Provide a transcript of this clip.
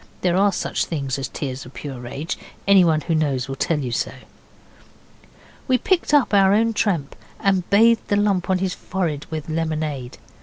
There are such things as tears of pure rage. Anyone who knows will tell you so. We picked up our own tramp and bathed the lump on his forehead with lemonade.